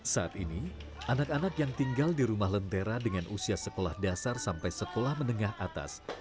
saat ini anak anak yang tinggal di rumah lentera dengan usia sekolah dasar sampai sekolah menengah atas